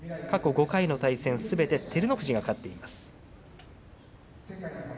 過去５回の対戦すべて照ノ富士が勝っています。